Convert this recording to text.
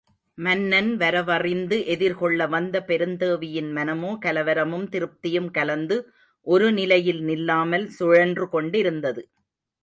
மன்னன் வரவறிந்து எதிர்கொள்ள வந்த பெருந்தேவியின் மனமோ, கலவரமும் திருப்தியும் கலந்து ஒரு நிலையில் நில்லாமல் சுழன்று கொண்டிருந்தது.